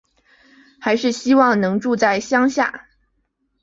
还是希望能住在乡下